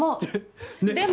でも！